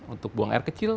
untuk buang air kecil